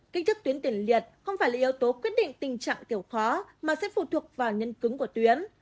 kích thức tuyến tiền liệt không phải là yếu tố quyết định tình trạng tiểu khó mà sẽ phụ thuộc vào nhân cứng của tuyến